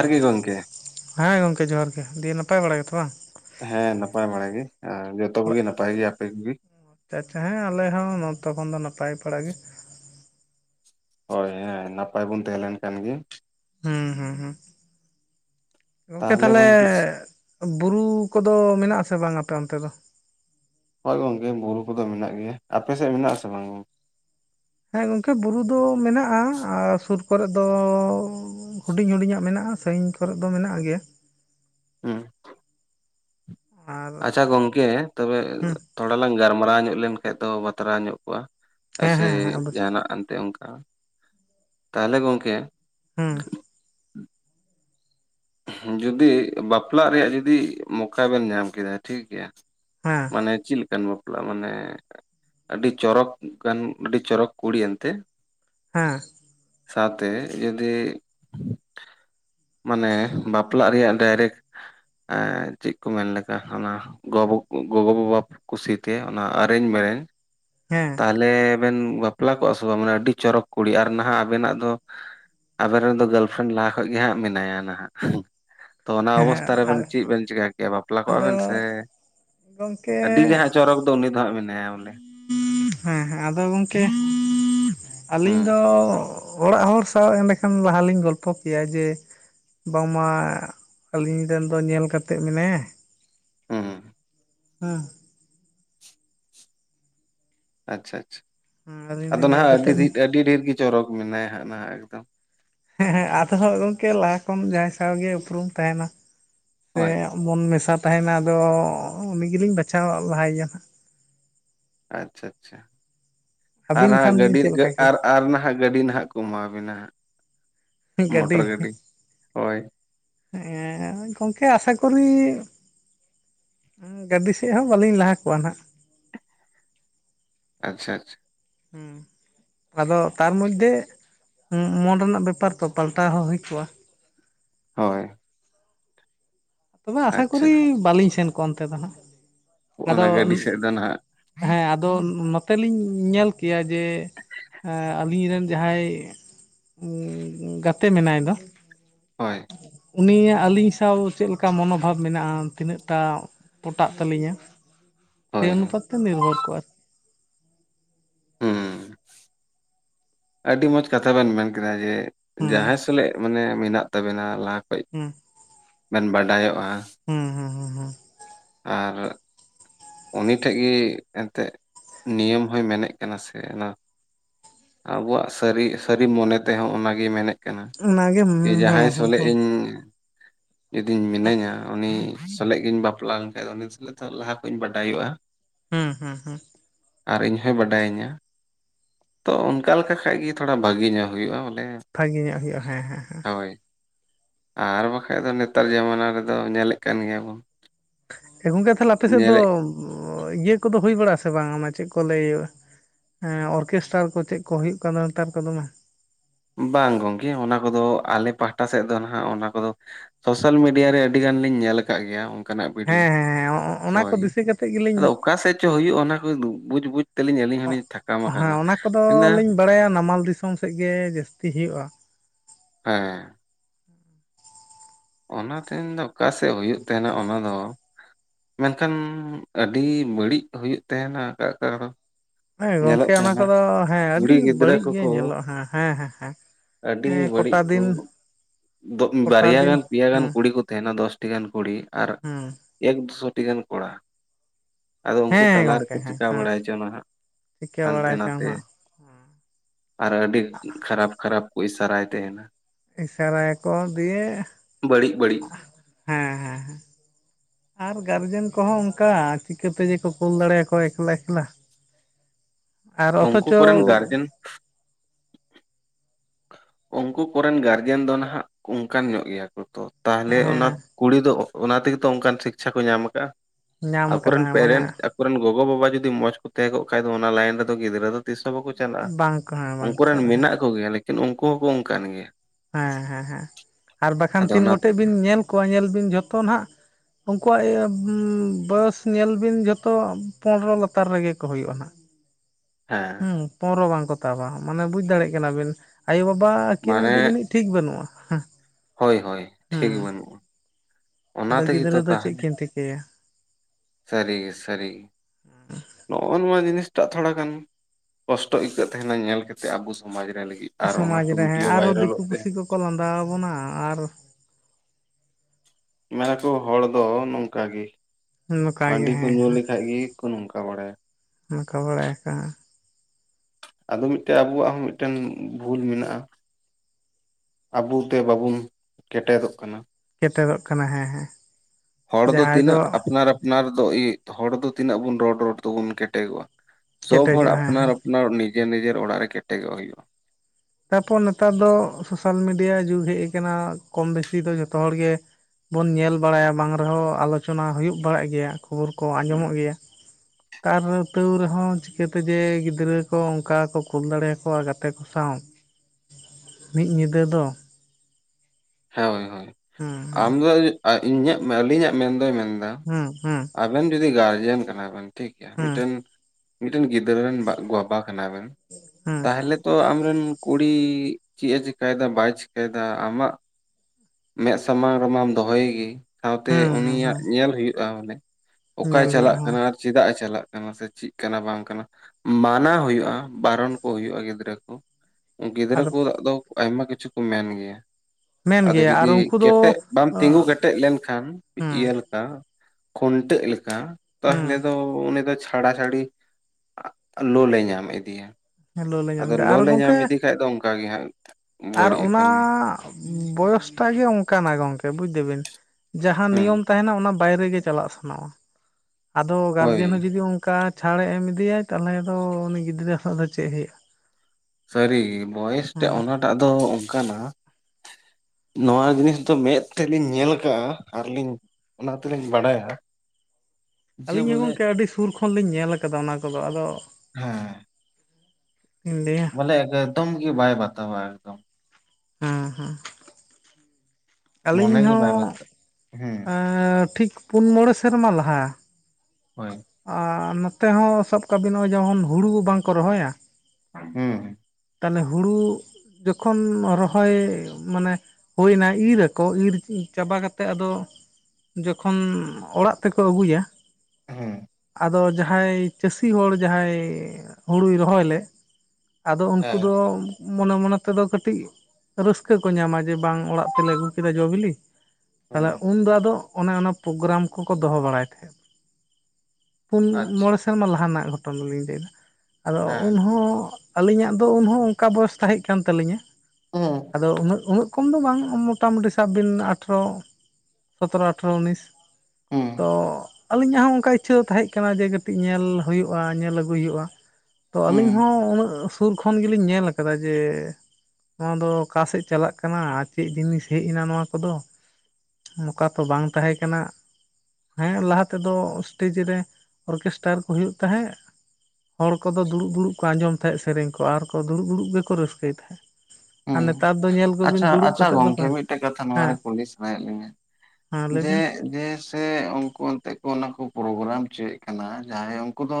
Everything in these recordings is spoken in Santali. ᱟᱨᱠᱮ ᱜᱚᱝᱠᱮ ᱦᱮᱸ ᱜᱚᱝᱠᱮ ᱡᱚᱦᱟᱨ ᱜᱮ ᱫᱤᱭᱮ ᱱᱟᱯᱟᱭ ᱵᱟᱲ ᱜᱮᱛᱚ ᱵᱟᱝ, ᱦᱮᱸ ᱱᱟᱯᱟᱭ ᱵᱟᱲᱟ ᱜᱮ ᱟᱨ ᱡᱚᱛᱚ ᱠᱚᱜᱮ ᱱᱟᱯᱟᱭ ᱜᱮ ᱟᱯᱮ ᱠᱚᱜᱮ ᱟᱪᱪᱷᱟ ᱟᱪᱪᱷᱟ ᱦᱮᱸ ᱟᱞᱮ ᱦᱚᱸ ᱱᱚᱛᱮ ᱠᱷᱚᱱ ᱫᱚ ᱱᱟᱯᱟᱭ ᱯᱲᱟᱜ ᱜᱮ᱾ ᱦᱳᱭ ᱦᱮᱸ ᱱᱟᱯᱟᱭ ᱵᱚᱱ ᱛᱟᱦᱮᱸ ᱞᱮᱱᱠᱷᱟᱱ ᱜᱮ ᱜᱚᱢᱠᱮ ᱛᱟᱦᱚᱞᱮ ᱵᱩᱨᱩ ᱠᱚᱫᱚ ᱢᱮᱱᱟᱜ ᱟᱥᱮ ᱵᱟᱝ ᱟᱯᱮ ᱚᱱᱛᱮ ᱫᱚ, ᱦᱳᱭ ᱜᱚᱢᱠᱮ ᱵᱩᱨᱩ ᱠᱚᱫᱚ ᱢᱮᱱᱟᱜ ᱜᱮᱭᱟ ᱟᱯᱮ ᱥᱮᱫ ᱢᱮᱱᱟᱜ ᱟᱥᱮ ᱵᱟᱝ ᱜᱚᱢᱠᱮ? ᱦᱮᱸ ᱜᱚᱢᱠᱮ ᱵᱩᱨᱩ ᱫᱚ ᱢᱮᱱᱟᱜᱼᱟ ᱟᱨ ᱥᱩᱨ ᱠᱚᱨᱮᱮᱫ ᱫᱚ ᱦᱩᱰᱤᱧ ᱦᱩᱰᱤᱧᱟᱜ ᱢᱮᱱᱟᱜᱼᱟ ᱥᱟᱺᱜᱤᱧ ᱠᱚᱨᱮ ᱫᱚ ᱢᱮᱱᱟᱜ ᱜᱮᱭᱟ, ᱦᱮᱸ ᱟᱨ ᱟᱪᱪᱷᱟ ᱜᱚᱝᱠᱮ ᱛᱚᱵᱮ ᱦᱩᱸ ᱛᱷᱚᱲᱟ ᱞᱟᱝ ᱜᱟᱞᱢᱟᱨᱟᱣ ᱧᱚᱜ ᱞᱮᱱᱠᱷᱟᱱᱡ ᱫᱚ ᱵᱟᱛᱨᱟᱣ ᱧᱚᱜ ᱠᱚᱜᱼᱟ, ᱦᱮᱸ ᱯᱟᱪᱮ ᱦᱮᱸ ᱦᱮᱸ ᱚᱵᱚᱥ ᱡᱟᱦᱟᱱᱟᱜ ᱮᱱᱛᱮ ᱚᱱᱠᱟ ᱛᱟᱦᱚᱞᱮ ᱜᱚᱝᱠᱮ ᱦᱩᱸ ᱡᱩᱫᱤ ᱵᱟᱯᱞᱟᱜ ᱨᱮᱭᱟᱜ ᱡᱩᱫᱤ ᱢᱚᱠᱟ ᱵᱮᱮᱱ ᱧᱟᱢ ᱠᱮᱫᱟ ᱴᱷᱤᱠᱜᱮᱭᱟ, ᱦᱮᱸ ᱢᱟᱱᱮ ᱪᱮᱫ ᱞᱮᱠ ᱵᱟᱯᱟᱨ ᱵᱟ ᱢᱟᱱᱮ ᱟᱹᱰᱤ ᱪᱚᱨᱚᱠ ᱜᱟᱱ ᱟᱹᱰᱤ ᱪᱚᱨᱚᱠ ᱠᱩᱲᱤ ᱮᱱᱛᱮ ᱦᱮᱸ ᱥᱟᱶᱛᱮ ᱡᱩᱫᱤ ᱢᱟᱱᱮ ᱵᱟᱯᱞᱟᱜ ᱨᱮᱭᱟᱜ ᱰᱟᱭᱨᱮᱠᱴ ᱪᱮᱫ ᱠᱚ ᱢᱮᱱ ᱞᱮᱠᱟ᱾ ᱚᱱᱟ ᱜᱚᱜᱚᱼᱵᱟᱵᱟ ᱠᱩᱥᱤᱛᱮ ᱚᱱᱟ ᱟᱨᱮᱧ ᱢᱮᱨᱮᱧ᱾ ᱦᱮᱸ ᱛᱟᱦᱚᱞᱮ ᱟᱵᱮᱱ ᱵᱟᱯᱞᱟ ᱠᱚᱜ ᱦᱥᱩ ᱵᱟᱝ ᱢᱟᱱᱮ ᱟᱹᱰᱤ ᱪᱚᱨᱚᱠ ᱠᱩᱲᱤ ᱟᱨ ᱱᱟᱦᱟᱜ ᱟᱵᱮᱱᱟᱜ ᱫᱚ ᱟᱵᱮᱱ ᱨᱮᱱ ᱫᱚ ᱜᱟᱨᱞᱯᱷᱨᱮᱱᱰ ᱞᱟᱦᱟ ᱠᱷᱚᱱᱚᱡ ᱜᱮᱦᱟᱸᱜ ᱢᱮᱱᱟᱭᱟ ᱱᱟᱦᱟᱜ ᱛᱚ ᱚᱱᱟ ᱚᱵᱚᱥᱛᱟ ᱦᱮᱸ ᱨᱮᱵᱮᱱ ᱟᱨ ᱪᱮᱫ ᱵᱮᱱ ᱪᱤᱠᱟᱹ ᱠᱮᱭᱟ ᱵᱟᱯ ᱵᱟᱯᱞᱟ ᱠᱚᱜᱼᱟ ᱟᱫᱚ ᱵᱮᱱ ᱥᱮ ᱜᱚᱝᱠᱮ ᱟᱹᱰᱤ ᱜᱮ ᱦᱟᱸᱜ ᱪᱚᱨᱚᱠ ᱫᱚ ᱩᱱᱤ ᱫᱚ ᱦᱜ ᱮ ᱦᱮᱸ ᱦᱮᱸ ᱟᱫᱚ ᱜᱚᱝᱠᱮ ᱟᱞᱤᱧ ᱫᱚ ᱦᱩᱸ ᱚᱲᱟᱜ ᱦᱚᱲ ᱥᱟᱶ ᱮᱸᱰᱮᱠᱷᱟᱱ ᱞᱟᱦᱟ ᱞᱤᱧ ᱜᱚᱞᱯᱚ ᱠᱮᱭᱟ ᱡᱮ ᱵᱟᱝᱢᱟ ᱟᱹᱞᱤᱧ ᱨᱮᱱ ᱫᱚ ᱧᱮᱞ ᱠᱟᱛᱮᱫ ᱢᱮᱱᱟᱭᱟ ᱦᱮᱸ ᱦᱮᱸ ᱦᱮᱸ ᱟᱪᱪᱷᱟ ᱟᱪᱪᱷᱟ ᱦᱮᱸ ᱟᱹᱞᱤᱧ ᱫᱚ ᱟᱫᱚ ᱧᱮᱞ ᱱᱟᱦᱟᱜ ᱟᱹᱰᱤ ᱠᱟᱛᱮᱫ ᱰ ᱟᱹᱰᱤ ᱰᱷᱮᱨ ᱜᱮ ᱪᱚᱨᱚᱠ ᱢᱮᱱᱟᱭᱟ ᱦᱟᱸᱜ ᱚᱱᱟ ᱮᱠᱫᱚᱢ ᱦᱮᱸ ᱦᱮᱸ ᱟᱫᱚ ᱦᱚᱸ ᱜᱚᱢᱠᱮ ᱞᱟᱦᱟ ᱠᱷᱚᱱ ᱡᱟᱦᱟᱸᱭ ᱥᱟᱶᱜᱮ ᱩᱯᱨᱩᱢ ᱛᱟᱦᱮᱱᱟ ᱥᱮ ᱦᱳᱭ ᱢᱚᱱ ᱢᱮᱥᱟ ᱛᱟᱦᱮᱱᱟ ᱟᱫᱚ ᱩᱱᱤ ᱜᱮᱞᱤᱧ ᱵᱟᱪᱷᱟᱣᱟ ᱞᱟᱦᱟᱭᱮᱭᱟ ᱦᱟᱸᱜ, ᱟᱪᱪᱷᱟ ᱟᱪᱪᱷᱟ ᱟᱨ ᱟᱹᱵᱤᱱ ᱦᱟᱸᱜ ᱠᱷᱟᱱ ᱫᱚᱵᱤᱱ ᱜᱟᱹᱰᱤ ᱪᱮᱫ ᱞᱮᱠᱟ ᱠᱮᱭᱟ ᱟᱨ ᱟᱨ ᱱᱟᱦᱜ ᱜᱟᱹᱰᱤ ᱱᱟᱦᱜ ᱠᱚ ᱮᱢᱟ ᱵᱮᱤᱱᱟ ᱦᱟᱸᱜ, ᱢᱚᱴᱚᱨ ᱜᱟᱹᱰᱤ ᱦᱳᱭ ᱦᱮᱸ ᱜᱚᱢᱠᱮ ᱟᱥᱟ ᱠᱚᱨᱤ ᱜᱟᱹᱰᱤ ᱥᱮᱫ ᱦᱚᱸ ᱵᱟᱹᱞᱤᱧ ᱞᱟᱦᱟ ᱠᱚᱣᱟ ᱱᱟᱜ, ᱟᱪᱪᱷᱟ ᱟᱪᱪᱷᱟ ᱦᱮᱸ ᱟᱫᱚ ᱛᱟᱨ ᱢᱚᱫᱽᱫᱷᱮ ᱢᱚᱱ ᱨᱮᱱᱟᱜ ᱵᱮᱯᱟᱨ ᱛᱚ ᱯᱟᱞᱴᱟᱣ ᱦᱚᱸ ᱦᱩᱭ ᱠᱚᱜᱼᱟ, ᱦᱳᱭ ᱛᱚᱵᱮ ᱟᱥᱟ ᱟᱪᱪᱷᱟ ᱠᱚᱤ ᱵᱟᱹᱞᱤᱧ ᱥᱮᱱ ᱠᱚᱜᱣᱟ ᱚᱱᱛᱮ ᱫᱚ ᱦᱟᱸᱜ, ᱟᱫᱚ ᱚᱱᱟ ᱜᱟᱹᱰᱤ ᱥᱮᱫ ᱫᱚ ᱱᱟᱦᱟᱜ ᱦᱮᱸ ᱟᱫᱚ ᱱᱚᱛᱮᱞᱤᱧ ᱧᱮᱞ ᱠᱮᱭᱟ ᱡᱮ ᱟᱞᱤᱧ ᱨᱮᱱ ᱡᱟᱦᱟᱸᱭ ᱜᱟᱛᱮ ᱢᱮᱱᱟᱭ ᱫᱚ ᱦᱳᱭ ᱩᱱᱤᱭᱟᱜ ᱟᱹᱞᱤᱧ ᱥᱟᱶ ᱪᱮᱫ ᱞᱮᱠᱟ ᱚᱱᱠᱟ ᱢᱚᱱᱳᱵᱷᱟᱵ ᱢᱮᱱᱟᱜᱼᱟ ᱛᱤᱱᱟᱹᱜ ᱴᱟ ᱯᱚᱴᱟᱜ ᱛᱟᱹᱞᱤᱧᱟ, ᱥᱮ ᱦᱳᱭ ᱦᱳᱭ, ᱚᱱᱩᱯᱟ ᱛᱮ ᱱᱤᱨᱵᱷᱚᱨ ᱠᱚ ᱟᱨᱠᱤ, ᱦᱩᱸ ᱟᱹᱰᱤ ᱢᱚᱸᱡᱽ ᱠᱟᱛᱷᱟ ᱵᱮᱱ ᱢᱮᱱ ᱠᱮᱫᱟ ᱡᱮ ᱦᱩᱸ ᱡᱟᱦᱟᱸ ᱥᱟᱞᱟᱜ ᱢᱟᱱᱮ ᱢᱮᱱᱟᱜ ᱛᱟᱵᱮᱱᱟ ᱞᱟᱠᱷ ᱦᱮᱸ ᱵᱮᱱ ᱵᱟᱰᱟᱭᱚᱜᱼᱟ ᱦᱮ ᱟᱨ ᱩᱱᱤ ᱴᱷᱮᱱ ᱜᱮ ᱮᱱᱛᱜ ᱱᱤᱭᱚᱢ ᱦᱚᱭ ᱢᱮᱱᱮᱜ ᱠᱟᱱᱟ ᱥᱮ ᱚᱱᱟ ᱟᱵᱚᱣᱟᱜ ᱥᱟᱹᱨᱤ ᱥᱟᱹᱨᱤ ᱢᱚᱱᱮ ᱛᱮᱦᱚᱸ ᱚᱱᱟᱜᱮ ᱢᱮᱱᱮᱫᱱᱟ ᱚᱱᱟᱜᱮ ᱦᱮᱸ ᱦᱮᱸ ᱦᱮᱸ ᱡᱟᱦᱟᱸᱭ ᱥᱚᱞᱮᱜ ᱤᱧ ᱦᱩᱸ ᱡᱩᱫᱤ ᱢᱤᱱᱟᱹᱧᱟ ᱩᱱᱤ ᱥᱟᱞᱟᱜ ᱜᱤᱧ ᱵᱟᱯᱞᱟ ᱼᱟ ᱩᱱᱤ ᱛᱞᱮ ᱛᱚ ᱞᱟᱦᱟ ᱠᱷᱚᱡ ᱠᱷᱚᱱᱚᱧ ᱵᱟᱰᱟᱭ ᱦᱩᱭᱩᱜᱼᱟ ᱦᱮᱸ ᱦᱮᱸ ᱦᱮᱸ ᱟᱨ ᱤᱧᱦᱭ ᱵᱟᱰᱟᱭᱤᱧᱟᱹ ᱛᱚ ᱚᱱᱠᱟ ᱞᱮᱠᱟ ᱠᱷᱟᱱᱜ ᱛᱷᱚᱲᱟ ᱵᱷᱟᱜᱤ ᱧᱚᱜ ᱦᱩᱭᱩᱜᱼᱟ᱾ ᱵᱷᱟᱹᱜᱮ ᱧᱚᱜ ᱦᱩᱭᱩᱜᱼᱟ ᱦᱮᱸ ᱦᱮᱸ ᱦᱮᱸ ᱦᱳᱭ ᱟᱨ ᱵᱟᱠᱷᱟᱡ ᱫᱚ ᱱᱮᱛᱟᱨ ᱡᱟᱢᱟᱱᱟ ᱨᱮᱫᱚ ᱧᱮᱞᱮᱫ ᱠᱟᱱ ᱜᱮᱭᱟ ᱵᱚᱱ, ᱜᱚᱝᱠᱮ ᱛᱟᱦᱞᱮ ᱟᱯᱮ ᱥᱮᱫ ᱫᱚ ᱤᱭᱟᱹ ᱠᱚᱫᱚ ᱦᱩᱭ ᱵᱟᱲᱟᱜ ᱟᱥᱮ ᱵᱟᱝ ᱟ ᱢᱟ ᱪᱮᱫ ᱠᱚ ᱠᱚ ᱞᱟᱹᱭ ᱦᱩᱭᱩᱜᱼᱟ ᱚᱨᱠᱮᱥᱴᱟᱨ ᱠᱚ ᱪᱮᱫ ᱠᱚ ᱦᱩᱭᱩᱜ ᱠᱟᱱ ᱫᱚ ᱱᱮᱛᱟᱨ ᱠᱚᱫᱚ ᱢᱟ ᱵᱟᱝ ᱜᱚᱝᱠᱮ ᱚᱱᱟ ᱠᱚᱫᱚ ᱟᱞᱮ ᱯᱟᱦᱴᱟ ᱥᱮᱫ ᱫᱚ ᱱᱷᱟᱜ ᱚᱱᱟ ᱠᱚᱫᱚ ᱥᱳᱥᱟᱞ ᱢᱤᱰᱤᱭᱟ ᱨᱮ ᱟᱹᱰᱤ ᱜᱟᱱ ᱟᱱ ᱞᱤᱧ ᱧᱮᱞ ᱟᱠᱟᱫ ᱜᱮᱭᱟ ᱚᱱᱠᱟᱱᱟᱜ ᱵᱷᱤᱰᱭᱳ ᱦᱮᱸ ᱦᱮᱸ ᱚᱱᱟ ᱠᱚ ᱦᱳᱭ ᱜᱮ ᱫᱤᱥᱟᱹ ᱠᱟᱛᱮᱫ ᱜᱮᱞᱤᱧ ᱟᱫᱚ ᱚᱠᱟ ᱥᱮᱫ ᱪᱚ ᱦᱩᱭᱩᱜᱼᱟ ᱚᱱᱟ ᱠᱚᱫᱚ ᱵᱩᱡᱵᱩᱡ ᱛᱮᱞᱤᱧ ᱟᱹᱞᱤᱧ ᱦᱚᱸᱞᱤᱧ ᱛᱷᱟᱠᱟᱢ ᱟᱠᱟᱱᱟ ᱦᱮᱸ ᱚᱱᱟ ᱠᱚᱫᱚ ᱢᱮᱱᱫᱟ ᱞᱤᱧ ᱵᱟᱲᱟᱭᱟ ᱱᱟᱢᱟᱞ ᱫᱤᱥᱚᱢ ᱥᱮᱫ ᱜᱮ ᱡᱟᱹᱥᱛᱤ ᱦᱩᱭᱩᱜᱼᱟ᱾ ᱦᱮᱸ ᱚᱱᱟ ᱫᱤᱱ ᱫᱚ ᱚᱠᱟ ᱥᱮᱫ ᱦᱩᱭᱩᱜ ᱛᱟᱦᱮᱸᱱᱟ ᱚᱱᱟ ᱫᱚ ᱢᱮᱱᱠᱷᱟᱱ ᱟᱹᱰᱤ ᱵᱟᱹᱲᱤᱡ ᱦᱩᱭᱩᱜ ᱛᱟᱦᱮᱱᱟ ᱚᱠᱟ ᱚᱠᱟ ᱫᱚ ᱦᱮᱸ ᱧᱮᱞᱚᱜ ᱜᱚᱢᱠᱮ ᱚᱱᱟ ᱛᱟᱦᱮᱱᱟ ᱠᱚᱫᱚ ᱦᱮᱸ ᱠᱩᱲᱤ ᱟᱹᱰᱤ ᱜᱤᱫᱽᱨᱟᱹ ᱵᱟᱹᱲᱤᱡ ᱜᱮ ᱠᱚᱠᱚ ᱧᱮᱞᱚᱜᱼᱟ ᱦᱮᱸ ᱦᱮᱸ ᱦᱮᱸ ᱟᱹᱰᱤ ᱦᱮᱸ ᱵᱟᱹᱲᱤᱡ ᱠᱚᱴᱟ ᱠᱚ ᱫᱤᱱ ᱫᱚ ᱠᱚᱴᱟ ᱵᱟᱨᱭᱟ ᱫᱤᱱ ᱜᱟᱱ ᱯᱮᱭᱟ ᱜᱟᱱ ᱦᱮᱸ ᱠᱩᱲᱤ ᱠᱚ ᱛᱟᱦᱮᱱᱟ ᱫᱚᱥ ᱴᱤ ᱜᱟᱱ ᱠᱩᱲᱤ ᱟᱨ ᱦᱮᱸ ᱮᱠ ᱫᱩᱥᱚ ᱴᱤ ᱜᱟᱱ ᱠᱚᱲᱟ ᱟᱫᱚ ᱩᱱᱠᱩ ᱦᱮᱸ ᱛᱟᱞᱟ ᱜᱚᱝᱠᱮ ᱨᱮᱠᱚ ᱦᱮᱸ ᱪᱤᱠᱟ ᱦᱮᱸ ᱵᱟᱲᱟᱭ ᱪᱚ ᱱᱟ ᱦᱟᱜ ᱪᱤᱠᱟᱹ ᱦᱟᱱᱛᱮ ᱵᱟᱲᱟᱭ ᱪᱚᱝ ᱱᱟᱛᱮ ᱦᱟᱸᱜ ᱟᱨ ᱟᱹᱰᱤ ᱠᱷᱟᱨᱟᱯ ᱠᱷᱟᱨᱟᱯ ᱠᱚ ᱤᱥᱟᱨᱟᱭ ᱛᱟᱦᱮᱱᱟ ᱤᱥᱟᱨᱟᱭᱟ ᱠᱚ ᱫᱤᱭᱮ ᱵᱟᱹᱲᱤᱡ ᱵᱟᱹᱲᱤᱡ ᱦᱮᱸ ᱦᱮᱸ ᱟᱨ ᱜᱟᱨᱡᱮᱱ ᱠᱚᱦᱚᱸ ᱚᱱᱠᱟ ᱪᱤᱠᱟᱹ ᱛᱮᱡᱮ ᱠᱚ ᱠᱩᱞ ᱫᱟᱲᱮᱭᱟᱠᱚᱣᱟ ᱮᱠᱞᱟ ᱮᱠᱞᱟ ᱟᱨ ᱩᱱᱠᱩ ᱚᱛᱷᱚᱪᱚ ᱠᱚᱨᱮᱱ ᱜᱟᱨᱡᱮᱱ ᱩᱱᱠᱩ ᱠᱚᱨᱮᱱ ᱜᱟᱨᱡᱮᱱ ᱫᱚ ᱱᱟᱦᱟᱜ ᱚᱱᱠᱟᱱ ᱧᱚᱜ ᱜᱮᱭᱟ ᱠᱚ ᱛᱚ ᱛᱟᱦᱚᱞᱮ ᱦᱮᱸ ᱚᱱᱟ ᱠᱩᱲᱤ ᱫᱚ ᱚᱱᱟ ᱛᱮᱜᱮ ᱛᱚ ᱚᱱᱠᱟᱱ ᱥᱤᱠᱪᱷᱟ ᱠᱚ ᱧᱟᱢ ᱟᱠᱟᱫ-ᱟ ᱧᱟᱢ ᱠᱟᱫᱟ ᱟᱠᱚᱨᱮᱱ ᱦᱟᱸᱜ ᱢᱟᱱᱮ ᱯᱮᱨᱮᱱᱴᱥ ᱟᱠᱚᱨᱮᱱ ᱜᱚᱜᱚ ᱜᱚ ᱵᱟᱵᱟ ᱡᱩᱫᱤ ᱢᱚᱸᱡᱽ ᱠᱚ ᱛᱟᱦᱮᱸ ᱠᱚᱜ ᱠᱷᱟᱱ ᱫᱚ ᱚᱱᱟ ᱞᱟᱭᱤᱱ ᱨᱮᱫᱚ ᱜᱤᱫᱽᱨᱟᱹ ᱫᱚ ᱛᱤᱥ ᱛᱟᱠᱚ ᱠᱚ ᱪᱟᱞᱟᱜᱼᱟ ᱵᱟᱝᱠᱚ ᱦᱮᱸ ᱵᱟᱝᱠᱚ ᱩᱱᱠᱩᱨᱮᱱ ᱪᱟᱞᱟᱜᱼᱟ ᱦᱮᱸ ᱢᱮᱱᱟᱜ ᱠᱚᱜᱮᱭᱟ ᱞᱮᱠᱤᱱ ᱩᱱᱠᱩ ᱦᱚᱸᱠᱚ ᱚᱱᱠᱟᱱ ᱜᱮᱭᱟ ᱦᱮᱸ ᱦᱮᱸ ᱦᱮᱸ ᱟᱨ ᱵᱟᱠᱷᱟᱱ ᱟᱫᱚ ᱛᱤᱱ ᱚᱱᱟ ᱜᱚᱴᱮᱡ ᱵᱤᱱ ᱧᱮᱞ ᱠᱚᱣᱟ ᱧᱮᱞ ᱵᱤᱱ ᱡᱷᱚᱛᱚ ᱱᱷᱟᱜ ᱩᱱᱠᱩᱣᱟᱜ ᱵᱚᱭᱚᱥ ᱧᱮᱞ ᱵᱤᱱ ᱡᱷᱚᱛᱚ ᱯᱚᱱᱨᱚ ᱞᱟᱛᱟᱨ ᱨᱮᱜᱮ ᱠᱚ ᱦᱩᱭᱩᱜᱼᱟ ᱱᱷᱟᱜ ᱦᱮᱸ ᱯᱚᱱᱨᱚ ᱵᱟᱝ ᱠᱚ ᱛᱟᱵᱟ ᱢᱟᱱᱮ ᱵᱩᱡᱽ ᱫᱟᱲᱮᱭᱟᱜ ᱠᱟᱱᱟ ᱵᱤᱱ ᱟᱭᱳ ᱵᱟᱵᱟ ᱵᱟ ᱟᱹᱠᱤᱱᱟᱜ ᱢᱟᱱᱮ ᱜᱮ ᱡᱟᱹᱱᱤᱡ ᱴᱷᱤᱠ ᱵᱟᱹᱱᱩᱜᱼᱟ ᱦᱳᱭ ᱦᱳᱭ ᱴᱷᱤᱠ ᱦᱮᱸ ᱵᱟᱹᱱᱩᱜᱼᱟ ᱚᱱᱟ ᱟᱫᱚ ᱛᱮᱜᱮ ᱜᱤᱫᱽᱨᱟᱹ ᱫᱚ ᱪᱮᱫ ᱠᱤᱱ ᱴᱷᱤᱠᱟᱹᱭᱟ ᱥᱟᱹᱨᱤ ᱜᱮ ᱥᱟᱹᱨᱤ ᱜᱮ ᱱᱚᱜ-ᱚ ᱱᱚᱣᱟ ᱡᱤᱱᱤᱥ ᱴᱟᱜ ᱛᱷᱚᱲᱟ ᱜᱟᱱ ᱠᱚᱥᱴᱚ ᱟᱹᱭᱠᱟᱹᱜ ᱛᱟᱦᱮᱱᱟ ᱧᱮᱞ ᱠᱟᱛᱮ ᱟᱵᱚ ᱥᱚᱢᱟᱡᱽ ᱨᱮ ᱞᱟᱹᱜᱤᱫ ᱟᱨ ᱚᱱᱟ ᱥᱚᱢᱟᱡᱽ ᱠᱚ ᱨᱮ ᱦᱮᱸ ᱵᱷᱤᱰᱭᱳ ᱟᱨᱦᱚᱸ ᱫᱤᱠᱩ ᱵᱷᱟᱭᱨᱟᱞᱚᱜ ᱛᱮ ᱯᱩᱥᱤ ᱠᱚᱠᱚ ᱞᱟᱸᱫᱟᱣᱟᱵᱚᱱᱟ ᱟᱨ ᱢᱮᱱᱟ ᱠᱚ ᱦᱚᱲ ᱫᱚ ᱱᱚᱝᱠᱟ ᱜᱮ ᱱᱚᱝᱠᱟ ᱜᱮ ᱦᱟᱺᱰᱤ ᱠᱚ ᱧᱩ ᱞᱮᱠᱷᱟᱡ ᱜᱮ ᱠᱚ ᱱᱚᱝᱠᱟ ᱵᱟᱲᱟᱭᱟ ᱚᱱᱠᱟ ᱵᱟᱲᱟᱭᱟᱠᱚ ᱦᱮᱸ ᱟᱫᱚ ᱢᱤᱫᱴᱮᱱ ᱟᱵᱚᱣᱟᱜ ᱦᱚᱸ ᱢᱤᱫᱴᱮᱱ ᱵᱷᱩᱞ ᱢᱮᱱᱟᱜᱼᱟ ᱟᱵᱚ ᱛᱮ ᱵᱟᱵᱚᱱ ᱠᱮᱴᱮᱫᱚᱜ ᱠᱟᱱᱟ ᱴᱮᱫᱚᱜ ᱠᱟᱱᱟ ᱦᱮᱸ ᱦᱮᱸ ᱦᱚᱲ ᱫᱚ ᱛᱤᱱᱟᱹᱜ ᱟᱯᱱᱟᱨ ᱟᱯᱱᱟᱨ ᱫᱚ ᱤ ᱦᱚᱲ ᱫᱚ ᱛᱤᱱᱟᱹᱜ ᱵᱚᱱ ᱨᱚᱲ ᱨᱚᱲ ᱛᱮᱫᱚ ᱵᱚᱱ ᱠᱮᱴᱮᱡᱚᱜᱼᱟ ᱥᱚᱵ ᱦᱚᱲ ᱠᱮᱴᱮᱡᱚᱜ ᱦᱮᱸ ᱦᱮᱸ ᱟᱯᱱᱟᱨ ᱟᱯᱱᱟᱨ ᱱᱤᱡᱮᱨ ᱱᱤᱡᱮᱨ ᱚᱲᱟᱜ ᱨᱮ ᱠᱮᱴᱮᱡᱚᱜ ᱦᱩᱭᱩᱜ-ᱟ ᱛᱟᱨᱯᱚᱨ ᱱᱮᱛᱟᱨ ᱫᱚ [inaudible] ᱡᱩᱜᱽ ᱦᱮᱡ ᱟᱠᱟᱱᱟ ᱠᱚᱢ ᱵᱮᱥᱤ ᱫᱚ ᱡᱷᱚᱛᱚ ᱦᱚᱲ ᱜᱮ ᱵᱚᱱ ᱧᱮᱞ ᱵᱟᱲᱟᱭᱟ ᱵᱟᱝ ᱨᱮᱦᱚᱸ ᱟᱞᱳᱪᱚᱱᱟ ᱦᱩᱭᱩᱜ ᱵᱟᱲᱟᱜ ᱜᱮᱭᱟ ᱠᱷᱚᱵᱚᱨ ᱠᱚ ᱟᱸᱡᱚᱢᱚᱜ ᱦᱮᱸ ᱜᱮᱭᱟ [inaudible] ᱛᱟᱹᱣ ᱨᱮᱦᱚᱸ ᱪᱤᱠᱟᱹᱛᱮ ᱡᱮ ᱜᱤᱫᱽᱨᱟᱹ ᱠᱚ ᱚᱱᱠᱟ ᱠᱚ ᱠᱩᱞ ᱫᱟᱲᱮᱭᱟᱠᱚᱣᱟ ᱜᱟᱛᱮ ᱠᱚ ᱥᱟᱶ ᱢᱤᱫ ᱧᱤᱫᱟᱹ ᱫᱚ ᱦᱮᱸ ᱦᱳᱭ ᱦᱳᱭ ᱦᱩᱸ ᱟᱢᱫᱚ ᱤᱧᱟᱹᱜ ᱟᱹᱞᱤᱧᱟᱜ ᱢᱮᱱ ᱫᱚᱭ ᱢᱮᱱ ᱦᱩᱸ ᱦᱩᱸ ᱟᱵᱮᱱ ᱡᱚᱫᱤ ᱜᱟᱨᱡᱮᱱ ᱠᱟᱱᱟᱵᱮᱱ ᱴᱷᱤᱠ ᱜᱮᱭᱟ ᱦᱩᱸ ᱢᱤᱫᱴᱮᱱ ᱢᱤᱫᱴᱮᱱ ᱜᱤᱫᱽᱨᱟᱹ ᱨᱮᱱ ᱵᱟ ᱜᱚ ᱵᱟᱵᱟ ᱠᱟᱱᱟ ᱵᱮᱱ ᱦᱩᱸ ᱛᱟᱦᱚᱞᱮ ᱛᱚ ᱟᱢᱨᱮᱱ ᱠᱩᱲᱤ ᱪᱮᱫ ᱮ ᱪᱤᱠᱟᱭᱮᱫᱟ ᱵᱟᱭ ᱪᱤᱠᱟᱹᱭᱮᱫᱟ ᱟᱢᱟᱜ ᱢᱮᱫ ᱥᱟᱢᱟᱝ ᱨᱮᱢᱟᱢ ᱫᱚᱦᱚᱭᱮᱜᱮ ᱥᱟᱶᱛᱮ ᱦᱩᱸ ᱦᱩᱸ ᱦᱩᱸ ᱩᱱᱤᱭᱟᱜ ᱦᱩᱸ ᱧᱮᱞ ᱦᱩᱭᱩᱜᱼᱟ ᱵᱚᱞᱮ ᱚᱠᱟᱭ ᱧᱮᱞ ᱦᱩᱭᱩᱜᱼᱟ ᱪᱟᱞᱟᱜ ᱦᱮᱸ ᱠᱟᱱᱟ ᱟᱨ ᱪᱮᱫᱟᱜ ᱮ ᱪᱟᱞᱟᱜ ᱠᱟᱱᱟ ᱢᱟᱥᱮ ᱪᱮᱫ ᱠᱟᱱᱟ ᱵᱟᱝ ᱠᱟᱱᱟ ᱢᱟᱱᱟᱣ ᱦᱩᱭᱩᱜᱼᱟ ᱵᱟᱨᱚᱱ ᱠᱚ ᱦᱩᱭᱩᱜᱼᱟ ᱜᱤᱫᱽᱨᱟᱹ ᱠᱚ ᱜᱤᱫᱽᱨᱟᱹ ᱟᱫᱚ ᱠᱚᱣᱟᱜ ᱫᱚ ᱟᱭᱢᱟ ᱠᱤᱪᱷᱩ ᱠᱚ ᱢᱮᱱ ᱜᱮᱭᱟ ᱢᱮᱱ ᱟᱫᱚ ᱜᱮᱭᱟ ᱟᱨ ᱡᱩᱫᱤ ᱩᱱᱠᱩ ᱫᱚ ᱠᱮᱴᱮᱡ ᱵᱟᱢ ᱛᱤᱸᱜᱩ ᱦᱩᱸ ᱠᱮᱴᱮᱡ ᱞᱮᱱᱠᱷᱟᱱ ᱤᱭᱟᱹ ᱞᱮᱠᱟ ᱠᱷᱩᱱᱴᱟᱹᱜ ᱞᱮᱠᱟ ᱛᱟᱦᱚᱞᱮ ᱫᱚ ᱩᱱᱤ ᱫᱚ ᱪᱷᱟᱲᱟ ᱪᱷᱟᱹᱲᱤ ᱞᱚᱞ ᱮ ᱧᱟᱢ ᱤᱫᱤᱭᱟ ᱦᱩᱸ ᱞᱚᱞᱮ ᱧᱟᱢ ᱟᱫᱚ ᱮᱫᱟ ᱟᱨ ᱞᱳᱞ ᱮ ᱧᱟᱢ ᱜᱚᱝᱠᱮ ᱤᱫᱤ ᱠᱷᱟᱡ ᱫᱚ ᱚᱱᱠᱟ ᱜᱮ ᱦᱟᱸᱜ ᱟᱨ ᱵᱟᱹᱲᱤᱡ ᱮ ᱚᱱᱟ ᱠᱟᱹᱢᱤᱭᱟ ᱵᱚᱭᱚᱥᱴᱟᱜ ᱜᱮ ᱚᱱᱠᱟᱱᱟ ᱜᱚᱢᱠᱮ ᱵᱩᱡ ᱫᱟᱵᱤᱱ ᱡᱟᱦᱟᱸ ᱦᱮᱸ ᱱᱤᱭᱚᱢ ᱛᱟᱦᱮᱱᱟ ᱚᱱᱟ ᱵᱟᱭᱨᱮᱜ ᱜᱮ ᱪᱟᱞᱟᱜ ᱥᱟᱱᱟᱣᱟ ᱟᱫᱚ ᱦᱳᱭ ᱜᱟᱨᱡᱮᱱ ᱦᱚᱸ ᱡᱩᱚᱫᱤ ᱚᱱᱠᱟ ᱪᱷᱟᱲ ᱮ ᱮᱢ ᱤᱫᱤᱭᱟᱭ ᱛᱟᱦᱚᱞᱮ ᱫᱚ ᱩᱱᱤ ᱜᱤᱫᱽᱨᱟᱹ ᱟᱜ ᱫᱚ ᱪᱮᱫ ᱦᱩᱭᱩᱜ ᱥᱟᱹᱨᱤ ᱜᱮ ᱵᱚᱭᱮᱥ ᱴᱟᱜ ᱚᱱᱟᱴᱟᱜ ᱫᱚ ᱚᱱᱠᱟᱱᱟ ᱱᱚᱣᱟ ᱡᱤᱱᱤᱥ ᱫᱚ ᱢᱮᱫ ᱛᱮᱞᱤᱧ ᱧᱮᱞ ᱠᱟᱜᱼᱟ ᱟᱨᱞᱤᱧ ᱚᱱᱟ ᱛᱮᱞᱤᱧ ᱵᱟᱰᱟᱭᱟ ᱡᱮ ᱟᱹᱞᱤᱧ ᱦᱚᱸ ᱵᱚᱞᱮ ᱜᱚᱝᱠᱮ ᱟᱹᱰᱤ ᱥᱩᱨ ᱠᱷᱚᱱᱞᱤᱧ ᱧᱮᱞ ᱠᱟᱫᱟ ᱚᱱᱟ ᱠᱚᱫᱚ ᱟᱫᱚ ᱦᱮᱸ ᱤᱧ ᱞᱟᱹᱭᱟ ᱵᱚᱞᱮ ᱮᱠᱫᱚᱢ ᱜᱮ ᱵᱟᱭ ᱵᱟᱛᱟᱣᱟ ᱮᱠᱫᱚᱢ ᱦᱩᱸ ᱦᱩᱸ ᱟᱹᱞᱤᱧ ᱢᱚᱱᱮ ᱜᱮ ᱵᱟᱭ ᱦᱚᱸ ᱵᱟᱛᱟᱣᱟ ᱦᱩᱸ ᱮ ᱴᱷᱤᱠ ᱯᱩᱱ ᱢᱚᱬᱮ ᱥᱮᱨᱢᱟ ᱞᱟᱦᱟ ᱦᱳᱭ ᱟᱨ ᱱᱚᱛᱮ ᱦᱚᱸ ᱥᱟᱵ ᱠᱟᱜ ᱵᱤᱱ ᱱᱚᱜᱚᱭ ᱡᱮᱢᱚᱱ ᱦᱩᱲᱩ ᱵᱟᱝᱠᱚ ᱨᱚᱦᱚᱭᱟ ᱦᱩᱸ ᱦᱩᱸ ᱛᱟᱦᱚᱞᱮ ᱦᱩᱲᱩ ᱡᱚᱠᱷᱚᱱ ᱨᱚᱦᱚᱭ ᱢᱟᱱᱮ ᱦᱩᱭᱱᱟ ᱤᱨ ᱟᱠᱚ ᱤᱨ ᱪᱟᱵᱟ ᱠᱟᱛᱮᱫ ᱟᱫᱚ ᱡᱚᱠᱷᱚᱱ ᱚᱲᱟᱜ ᱛᱮᱠᱚ ᱟᱹᱜᱩᱭᱟ ᱦᱩᱸ ᱟᱫᱚ ᱡᱟᱦᱟᱸᱭ ᱪᱟᱹᱥᱤ ᱦᱚᱲ ᱡᱟᱦᱟᱸᱭ ᱦᱩᱲᱩᱭ ᱨᱚᱦᱚᱭ ᱞᱮᱫ ᱟᱫᱚ ᱩᱱᱠᱩ ᱫᱚ ᱮᱱᱛᱮᱫ ᱢᱚᱱᱮ ᱢᱚᱱᱮ ᱛᱮᱫᱚ ᱠᱟᱹᱴᱤᱡ ᱨᱟᱹᱥᱠᱟᱹ ᱠᱚ ᱧᱟᱢᱟ ᱡᱮ ᱵᱟᱝ ᱚᱲᱟᱜ ᱛᱮᱞᱮ ᱟᱹᱜᱩ ᱠᱮᱫᱟ ᱡᱚᱼ ᱵᱤᱞᱤ ᱦᱩᱸ ᱛᱟᱦᱞᱮ ᱩᱱᱫᱚ ᱟᱫᱚ ᱚᱱᱮ ᱚᱱᱟ ᱯᱳᱜᱨᱟᱢ ᱠᱚᱠᱚ ᱫᱚᱦᱚ ᱵᱟᱲᱟᱭ ᱛᱟᱦᱮᱸ ᱯᱩᱱ ᱟᱪᱪᱷᱟ ᱢᱚᱬᱮ ᱥᱮᱨᱢᱟ ᱞᱟᱦᱟ ᱨᱮᱱᱟᱜ ᱜᱷᱚᱴᱚᱱ ᱞᱤᱧ ᱞᱟᱹᱭᱫᱟ ᱟᱫᱚ ᱦᱮᱸ ᱩᱱᱦᱚᱸ ᱟᱹᱞᱤᱧᱟᱜ ᱫᱚ ᱩᱱᱦᱚᱸ ᱚᱱᱠᱟ ᱵᱚᱭᱚᱥ ᱛᱟᱦᱮᱸᱡ ᱠᱟᱱ ᱛᱟᱹᱞᱤᱧᱟ ᱦᱩᱸ ᱟᱫᱚ ᱩᱱᱟᱹᱜ ᱩᱱᱟᱹ ᱠᱚᱢ ᱫᱚ ᱵᱟᱝ ᱢᱚᱴᱟᱢᱩᱴᱤ ᱥᱟᱵᱵᱤᱱ ᱟᱴᱷᱨᱚ ᱥᱚᱛᱨᱚ ᱟᱴᱷᱨᱚ ᱩᱱᱤᱥ ᱦᱩᱸ ᱛᱚ ᱟᱹᱞᱤᱧᱟᱜ ᱦᱚᱸ ᱚᱝᱠᱟ ᱤᱪᱷᱟᱹ ᱛᱟᱦᱮᱸᱡ ᱠᱟᱱᱟ ᱡᱮ ᱠᱟᱹᱴᱤᱡ ᱧᱮᱞ ᱦᱳᱭᱳᱜᱼᱟ ᱧᱮᱞ ᱟᱹᱜᱩᱭ ᱦᱳᱭᱳᱜᱼᱟ ᱛᱚ ᱟᱹᱞᱤᱧ ᱦᱩᱸ ᱦᱚᱸ ᱩᱱᱟᱹᱜ ᱥᱩᱨ ᱠᱷᱚᱱ ᱜᱮᱞᱤᱧ ᱧᱮᱞ ᱟᱠᱟᱫᱟ ᱡᱮ ᱱᱚᱣᱟ ᱫᱚ ᱚᱠᱟ ᱥᱮᱫ ᱪᱟᱞᱟᱜ ᱠᱟᱱᱟ ᱟᱨ ᱪᱮᱫ ᱡᱤᱱᱤᱥ ᱦᱮᱡ ᱮᱱᱟ ᱱᱚᱣᱟ ᱠᱚᱫᱚ ᱱᱚᱝᱠᱟ ᱛᱚ ᱵᱟᱝ ᱛᱟᱦᱮᱸ ᱠᱟᱱᱟ ᱦᱮᱸ ᱞᱟᱦᱟ ᱛᱮᱫᱚ ᱥᱴᱮᱡ ᱨᱮ ᱚᱨᱠᱮᱥᱴᱟᱨ ᱠᱚ ᱦᱩᱭᱩᱜ ᱛᱟᱦᱮᱸᱜ ᱦᱚᱲ ᱠᱚᱫᱚ ᱫᱩᱲᱩᱵ ᱫᱩᱲᱩᱵ ᱠᱚ ᱟᱸᱡᱚᱢ ᱛᱟᱦᱮᱱ ᱥᱮᱨᱮᱧ ᱠᱚ ᱟᱨ ᱫᱩᱲᱩᱵ ᱫᱩᱲᱩᱵ ᱜᱮᱠᱚ ᱨᱟᱹᱥᱠᱟᱹᱭ ᱛᱟᱦᱮᱸ ᱟᱨ ᱦᱩᱸ ᱱᱮᱛᱟᱨ ᱫᱚ ᱧᱮᱞ ᱟᱪᱪᱷᱟ ᱠᱚᱵᱤᱱ ᱫᱩᱲᱩᱵ ᱟᱪᱪᱷᱟ ᱠᱟᱛᱮᱫ ᱫᱚᱠᱚ ᱜᱚᱝᱠᱮ ᱢᱤᱫᱴᱮᱡ ᱠᱟᱛᱷᱟ ᱱᱚᱣᱟ ᱨᱮ ᱦᱮᱸ ᱠᱩᱞᱤ ᱥᱟᱱᱟᱭᱮᱫ ᱞᱤᱧᱟ ᱦᱮᱸ ᱞᱟᱹᱭ ᱡᱮ ᱵᱤᱱ ᱡᱮᱥᱮ ᱩᱱᱠᱩ ᱮᱱᱛᱮᱜ ᱠᱚ ᱚᱱᱟ ᱠᱚ ᱯᱨᱳᱜᱨᱟᱢ ᱪᱚᱭᱮᱫ ᱠᱟᱱᱟ ᱡᱟᱦᱟᱸᱭ ᱩᱱᱠᱩ ᱫᱚ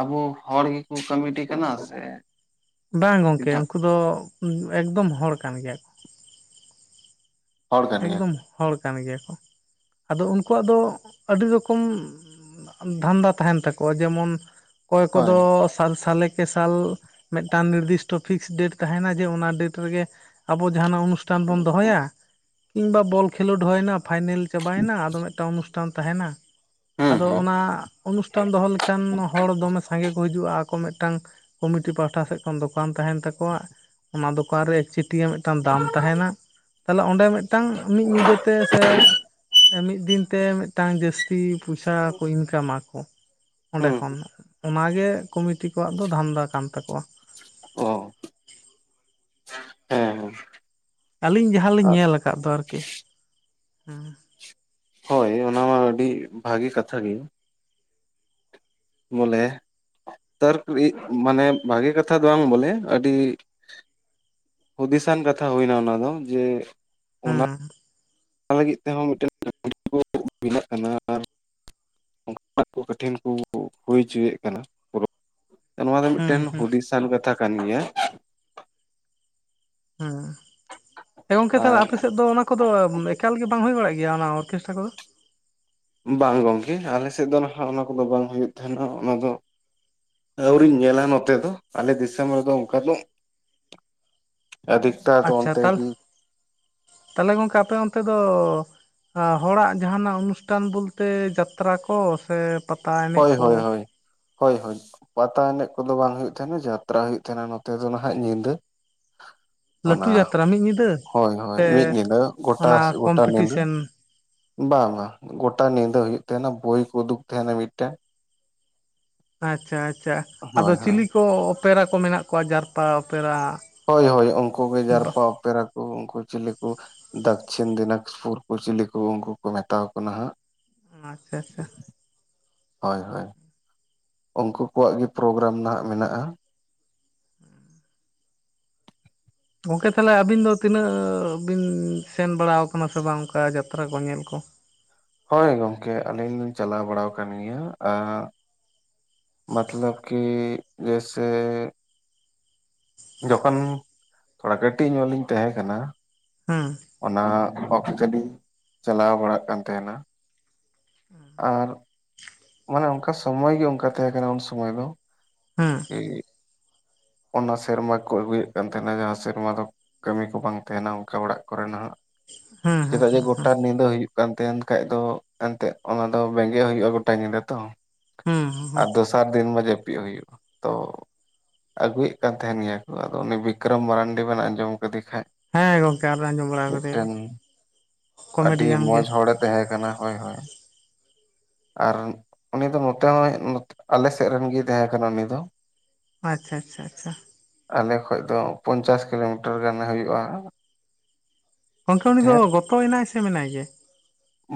ᱟᱵᱚ ᱦᱚᱲ ᱜᱮᱠᱚ ᱠᱟᱹᱢᱤᱴᱤ ᱠᱟᱱᱟ ᱥᱮ ᱵᱟᱝ ᱜᱚᱝᱠᱮ ᱮᱴᱟᱜ ᱩᱱᱠᱩ ᱫᱚ ᱮᱠᱫᱚᱢ ᱦᱚᱲ ᱠᱟᱱ ᱜᱮᱭᱟ ᱠᱚ ᱦᱚᱲ ᱠᱟᱱ ᱜᱮᱭᱟ ᱮᱠᱫᱚᱢ ᱦᱚᱲ ᱠᱟᱱ ᱜᱮᱭᱟ ᱠᱚ ᱟᱫᱚ ᱩᱱᱠᱩᱣᱟᱜ ᱫᱚ ᱟᱹᱰᱤ ᱨᱚᱠᱚᱢ ᱫᱷᱟᱱᱫᱟ ᱛᱟᱦᱮᱱ ᱛᱟᱠᱚᱣᱟ ᱡᱮᱢᱚᱱ ᱚᱠᱚᱭ ᱦᱳᱭ ᱠᱚᱫᱚ ᱥᱟᱞ ᱥᱟᱞᱮᱠ ᱥᱟᱞ ᱢᱤᱫᱴᱟᱝ ᱱᱤᱨᱫᱤᱥᱴᱚ ᱯᱷᱤᱠᱥ ᱰᱮᱴ ᱛᱟᱦᱮᱱᱟ ᱡᱮ ᱚᱱᱟ ᱰᱮᱴ ᱨᱮᱜᱮ ᱟᱵᱚ ᱡᱟᱦᱟᱱᱟᱜ ᱚᱱᱩᱥᱴᱷᱟᱱ ᱵᱚᱱ ᱫᱚᱦᱚᱭᱟ ᱠᱤᱝᱵᱟ ᱵᱚᱞ ᱠᱷᱮᱞᱳᱰ ᱦᱩᱭᱱᱟ ᱯᱷᱟᱭᱱᱮᱞ ᱪᱟᱵᱟᱭᱮᱱᱟ ᱟᱫᱚ ᱢᱤᱫᱴᱟᱝ ᱚᱱᱩᱥᱴᱷᱟᱱ ᱛᱟᱦᱮᱱᱟ ᱦᱩᱸ ᱟᱫᱚ ᱦᱩᱸ ᱚᱱᱟ ᱚᱱᱩᱥᱴᱷᱟᱱ ᱫᱚᱦᱚ ᱞᱮᱠᱷᱟᱱ ᱦᱚᱲ ᱫᱚᱢᱮ ᱥᱟᱸᱜᱮ ᱠᱚ ᱦᱤᱡᱩᱜᱼᱟ ᱟᱠᱚ ᱢᱮᱫ ᱢᱤᱫᱴᱟᱝ ᱠᱚᱢᱤᱴᱤ ᱯᱟᱦᱴᱟ ᱥᱮᱫ ᱠᱷᱚᱱ ᱫᱚᱠᱟᱱ ᱛᱟᱦᱮᱱ ᱛᱟᱠᱚᱣᱟ ᱚᱱᱟ ᱫᱚᱠᱟᱱ ᱨᱮ ᱪᱮᱫ [unintelligible] ᱢᱤᱫᱴᱟᱝ ᱫᱟᱢ ᱛᱟᱦᱮᱱᱟ ᱛᱟᱦᱞᱮ ᱚᱸᱰᱮ ᱢᱤᱫᱴᱟᱝ ᱢᱤᱫ ᱧᱤᱫᱟᱹᱛᱮ ᱥᱮ ᱢᱤᱫ ᱫᱤᱱᱛᱮ ᱢᱤᱫᱴᱟᱝ ᱡᱟᱹᱥᱛᱤ ᱯᱚᱭᱥᱟ ᱠᱚ ᱤᱱᱠᱟᱢᱟᱠᱚ ᱚᱱᱰᱮ ᱦᱩᱸ ᱠᱷᱚᱱ ᱚᱱᱟᱜᱮ ᱠᱚᱢᱤᱴᱤ ᱠᱚᱣᱟᱜ ᱫᱚ ᱫᱷᱟᱱᱫᱟ ᱠᱟᱱ ᱛᱟᱠᱚᱣᱟ ᱚ ᱦᱮᱸ ᱦᱮᱸ ᱟᱹᱞᱤᱧ ᱡᱟᱦᱟᱸᱞᱤᱧ ᱧᱮᱞ ᱟᱠᱟᱫ ᱫᱚ ᱟᱨᱠᱤ ᱦᱮᱸ ᱦᱳᱭ ᱚᱱᱟ ᱢᱟ ᱟᱹᱰᱤ ᱵᱷᱟᱹᱜᱤ ᱠᱟᱛᱷᱟ ᱜᱮ ᱵᱚᱞᱮ ᱛᱟᱨ [unintelligible] ᱢᱟᱱᱮ ᱵᱷᱟᱜᱮ ᱠᱟᱛᱷᱟ ᱫᱚ ᱵᱟᱝ ᱵᱚᱞᱮ ᱟᱹᱰᱤ ᱦᱩᱫᱤᱥᱟᱱ ᱠᱟᱛᱷᱟ ᱦᱩᱭᱱᱟ ᱚᱱᱟ ᱫᱚ ᱡᱮ ᱦᱩᱸ ᱚᱱᱟ ᱞᱟᱹᱜᱤᱫ ᱛᱮᱦᱚᱸ ᱢᱤᱫᱴᱮᱱ [unintelligible] ᱠᱮᱱᱟᱜ ᱟᱨ [unintelligible] ᱠᱚ [unintelligible] ᱦᱩᱭ ᱦᱚᱪᱚᱭᱮᱫ ᱠᱟᱱᱟ ᱯᱚᱨᱚᱵ ᱱᱚᱣᱟ ᱫᱚ ᱦᱩᱸ ᱢᱮᱫᱴᱮᱱ ᱦᱩᱸ ᱦᱩᱫᱤᱥᱟᱱ ᱠᱟᱛᱷᱟ ᱠᱟᱱ ᱜᱮᱭᱟ ᱦᱩᱸ ᱮ ᱜᱚᱝᱠᱮ ᱛᱟᱦᱞᱮ ᱟᱨ ᱟᱯᱮ ᱥᱮᱫ ᱫᱚ ᱚᱱᱟ ᱠᱚᱫᱚ ᱮᱠᱟᱞ ᱜᱮ ᱵᱟᱝ ᱦᱳᱭ ᱵᱟᱲᱟᱜ ᱜᱮᱭᱟ ᱜᱮᱭᱟ ᱚᱱᱟ ᱚᱨᱠᱮᱥᱴᱟᱨ ᱠᱚᱫᱚ ᱵᱟᱝ ᱜᱚᱝᱠᱮ ᱟᱞᱮ ᱥᱮᱫ ᱫᱚ ᱱᱟᱦᱟᱜ ᱚᱱᱟ ᱠᱚᱫᱚ ᱵᱟᱝ ᱦᱩᱭᱩᱜ ᱛᱟᱦᱮᱱᱟ ᱚᱱᱟ ᱫᱚ ᱟᱹᱣᱨᱤᱧ ᱧᱮᱞᱟ ᱱᱚᱛᱮ ᱫᱚ ᱟᱞᱮ ᱫᱤᱥᱚᱢ ᱨᱮᱫᱚ ᱚᱱᱠᱟ ᱫᱚ [inaudible] ᱟᱫᱷᱤᱠᱛᱟ ᱫᱚ ᱟᱪᱪᱷᱟ ᱚᱱᱛᱮ ᱛᱟᱦᱚᱞᱮ ᱜᱮ ᱛᱟᱦᱚᱞᱮ ᱜᱚᱝᱠᱮ ᱟᱯᱮ ᱚᱱᱛᱮ ᱫᱚ ᱦᱚᱲᱟᱜ ᱡᱟᱦᱟᱱᱟᱜ ᱚᱱᱩᱥᱴᱷᱟᱱ ᱵᱚᱞᱛᱮ ᱡᱟᱛᱨᱟ ᱠᱚ ᱥᱮ ᱯᱟᱛᱟ ᱮᱱᱮᱡ ᱦᱳᱭ ᱠᱚ ᱦᱳᱭ ᱦᱳᱭ ᱦᱳᱭ ᱦᱳᱭ ᱯᱟᱛᱟ ᱮᱱᱮᱡ ᱠᱚᱫᱚ ᱵᱟᱝ ᱦᱩᱭᱩᱜ ᱛᱟᱦᱮᱱᱟ ᱡᱟᱛᱨᱟ ᱦᱩᱭᱩᱜ ᱛᱟᱦᱮᱱᱟ ᱱᱚᱛᱮ ᱫᱚ ᱱᱟᱦᱟᱜ ᱧᱤᱫᱟᱹ [inaudible] ᱞᱟᱹᱴᱷᱩ ᱚᱱᱟ ᱡᱟᱛᱨᱟ ᱢᱤᱫ ᱧᱤᱫᱟᱹ ᱦᱳᱭ ᱦᱳᱭ ᱥᱮ ᱢᱤᱫ ᱧᱤᱫᱟᱹ ᱜᱚᱴᱟ ᱚᱱᱟ ᱜᱚᱴᱟ ᱧᱤᱫᱟᱹ ᱠᱚᱢᱯᱤᱴᱤᱥᱮᱱ ᱵᱟᱝ ᱵᱟᱝ ᱜᱚᱴᱟ ᱧᱤᱫᱟᱹ ᱦᱩᱭᱩᱜ ᱛᱟᱦᱮᱱᱟ ᱵᱚᱭ ᱠᱚ ᱩᱫᱩᱜ ᱛᱟᱦᱮᱱᱟ ᱢᱤᱫᱴᱮᱱ ᱟᱪᱪᱷᱟ ᱟᱪᱪᱷᱟ ᱟᱫᱚ ᱦᱳᱭ ᱦᱳᱭ ᱪᱤᱞᱤ ᱠᱚ ᱚᱯᱮᱨᱟ ᱠᱚ ᱢᱮᱱᱟᱜ ᱠᱚᱣᱟ ᱡᱟᱨᱯᱟ ᱚᱯᱮᱨᱟ ᱦᱳᱭ ᱦᱳᱭ ᱩᱱᱠᱩ ᱜᱮ ᱡᱟᱨᱯᱟ ᱚᱯᱮᱨᱟ ᱠᱚ ᱩᱱᱠᱩ ᱪᱤᱞᱤ ᱠᱚ ᱫᱚᱠᱠᱷᱤᱱ ᱫᱤᱱᱟᱡᱽᱯᱩᱨ ᱠᱚ ᱪᱤᱞᱤ ᱠᱚ ᱩᱱᱠᱩ ᱠᱚ ᱢᱮᱛᱟᱣ ᱠᱚ ᱦᱟᱸᱜ ᱟᱪᱪᱷᱟ ᱟᱪᱪᱷᱟ ᱦᱳᱭ ᱦᱳᱭ ᱩᱝᱠᱳ ᱠᱚᱣᱟᱜ ᱜᱮ ᱯᱨᱳᱜᱨᱟᱢ ᱱᱟᱸᱜ ᱢᱮᱱᱟᱜ-ᱟ ᱜᱚᱝᱠᱮ ᱛᱟᱦᱞᱮ ᱟᱹᱵᱤᱱ ᱫᱚ ᱛᱤᱱᱟᱹᱜ ᱵᱤᱱ ᱥᱮᱱ ᱵᱟᱲᱟᱣ ᱠᱟᱱᱟ ᱥᱮ ᱵᱟᱝ ᱚᱱᱠᱟ ᱡᱟᱛᱨᱟ ᱠᱚ ᱧᱮᱞ ᱠᱚ [inaudible] ᱦᱳᱭ ᱜᱚᱝᱠᱮ ᱟᱹᱞᱤᱧ ᱞᱤᱧ ᱪᱟᱞᱟᱣ ᱵᱟᱲᱟᱣ ᱟᱠᱟᱱ ᱜᱮᱭᱟ ᱟᱹᱜ ᱢᱚᱛᱞᱚᱵ ᱠᱤ ᱡᱮᱥᱮ ᱡᱚᱠᱷᱚᱱ ᱛᱷᱚᱲᱟ ᱠᱟᱹᱴᱤᱡ ᱧᱚᱜ ᱤᱧ ᱛᱟᱦᱮᱸ ᱠᱟᱱᱟ ᱦᱮᱸ ᱚᱱᱟ ᱚᱠᱛᱮ ᱞᱤᱧ ᱪᱟᱞᱟᱣ ᱵᱟᱲᱟᱜ ᱠᱟᱱ ᱛᱟᱦᱮᱱᱟ ᱟᱨ ᱢᱟᱱᱮ ᱚᱱᱠᱟ ᱥᱚᱢᱚᱭ ᱜᱮ ᱚᱝᱠᱟ ᱛᱟᱦᱮᱸ ᱠᱟᱱᱟ ᱩᱱ ᱥᱚᱢᱚᱭ ᱫᱚ ᱦᱮᱸ [unintelligible] ᱚᱱᱟ ᱥᱮᱨᱢᱟ ᱠᱚ ᱟᱹᱜᱩᱭᱮᱫ ᱠᱟᱱ ᱛᱟᱦᱮᱱᱟ ᱡᱟᱦᱟᱸ ᱥᱮᱨᱢᱟ ᱫᱚ ᱠᱟᱹᱢᱤ ᱠᱚ ᱵᱟᱝ ᱛᱟᱦᱮᱱᱟ ᱚᱝᱠᱟ ᱚᱲᱟᱜ ᱠᱚᱨᱮᱱᱟᱜ ᱦᱮᱸ ᱦᱮᱸ ᱪᱮᱫᱟᱜ ᱡᱮ ᱦᱮᱸ ᱜᱚᱴᱟ ᱧᱤᱫᱟᱹ ᱦᱩᱭᱩᱜ ᱠᱟᱱ ᱛᱟᱦᱮᱱ ᱠᱷᱟᱡ ᱫᱚ ᱮᱱᱛᱮᱜ ᱚᱱᱟ ᱫᱚ ᱵᱮᱸᱜᱮᱫ ᱦᱩᱭᱩᱜ-ᱟ ᱜᱚᱴᱟ ᱧᱤᱫᱟᱹ ᱛᱚ ᱦᱮᱸ ᱦᱮᱸ ᱟᱨ ᱫᱚᱥᱟᱨ ᱫᱤᱱ ᱢᱟ ᱡᱟᱹᱯᱤᱫ ᱦᱩᱭᱩᱜ-ᱟ ᱛᱚ ᱟᱹᱜᱩᱭᱮᱫ ᱠᱟᱱ ᱛᱟᱦᱮᱱ ᱜᱮᱭᱟ ᱠᱚ ᱟᱫᱚ ᱩᱱᱤ ᱵᱤᱠᱨᱚᱢ ᱢᱟᱨᱟᱱᱰᱤ ᱵᱮᱱ ᱟᱸᱡᱚᱢ ᱠᱟᱹᱫᱤ ᱦᱮᱸ ᱜᱚᱝᱠᱮ ᱟᱨ ᱟᱸᱡᱚᱢ ᱵᱟᱲᱟ ᱠᱟᱫᱮᱭᱟᱞᱤᱧ ᱟᱹᱰᱤ ᱠᱚᱢᱮᱰᱤᱭᱟᱱ ᱜᱮ ᱢᱚᱸᱡᱽ ᱦᱚᱲᱮ ᱛᱟᱦᱮᱸ ᱠᱟᱱᱟ ᱦᱳᱭ ᱦᱳᱭ ᱟᱨ ᱩᱱᱤ ᱫᱚ ᱱᱚᱛᱮ ᱦᱚᱸ ᱱᱚᱛᱮ ᱟᱞᱮ ᱥᱮᱫ ᱨᱮᱱ ᱜᱮᱭ ᱛᱟᱦᱮᱸ ᱠᱟᱱᱟ ᱩᱱᱤ ᱫᱚ ᱟᱪᱪᱷᱟ ᱟᱪᱪᱷᱟ ᱟᱪᱪᱷᱟ ᱟᱞᱮ ᱠᱷᱚᱡ ᱫᱚ ᱯᱚᱧᱪᱟᱥ ᱠᱤᱞᱳᱢᱤᱴᱟᱨ ᱜᱟᱱ ᱦᱩᱭᱩᱜ-ᱟ ᱜᱚᱝᱠᱮ ᱩᱱᱤ ᱫᱚ ᱜᱚᱛᱚᱭᱱᱟᱭ ᱥᱮ ᱢᱮᱱᱟᱭ ᱜᱮᱭᱟᱭ